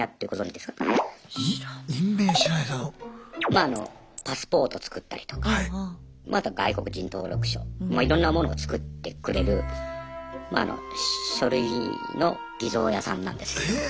まああのパスポート作ったりとかまああとは外国人登録書いろんなものを作ってくれるまああの書類の偽造屋さんなんですけど。へえ！